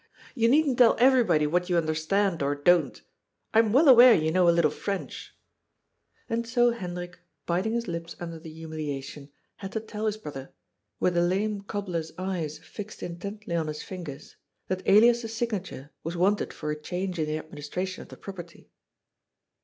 " You needn't tell everybody what you understand or don't. I am well aware you know a little French." And so Hendrik, biting his lips under the humiliation, had to tell his brother, with the lame cobbler's eyes fixed in tently on his fingers, that Elias's signature was wanted for a change in the administration of the property.